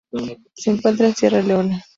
Se encuentra en Sierra Leona.